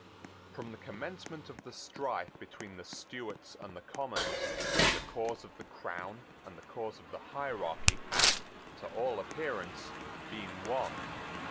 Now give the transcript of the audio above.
From the commencement of the strife between the Stuarts and the Commons, the cause of the crown and the cause of the hierarchy had, to all appearance, been one.